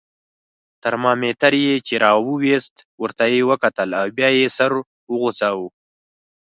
ترمامیتر یې چې را وایست، ورته یې وکتل او بیا یې سر وخوځاوه.